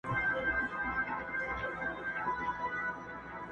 پرې اوښتي دي وختونه او قرنونه!